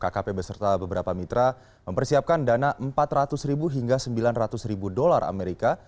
kkp beserta beberapa mitra mempersiapkan dana empat ratus ribu hingga sembilan ratus ribu dolar amerika